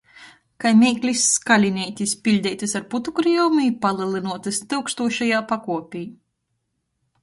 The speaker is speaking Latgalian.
Kai meiklis skalineitis, piļdeitys ar putukriejumu i palelynuotys tyukstūšajā pakuopē!